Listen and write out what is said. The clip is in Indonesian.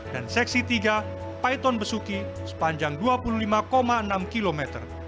dan seksi tiga paiton besuki sepanjang dua puluh lima enam km